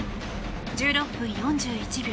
１６分４１秒。